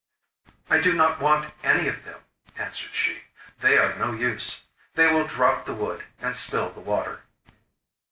'I do not want any of them,' answered she; 'they are no use. They will drop the wood and spill the water.